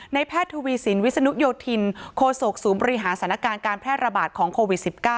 แพทย์ทวีสินวิศนุโยธินโคศกศูนย์บริหารสถานการณ์การแพร่ระบาดของโควิด๑๙